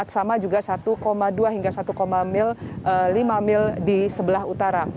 sama juga satu dua hingga satu lima mil di sebelah utara